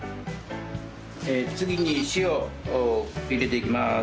次に塩を入れていきます。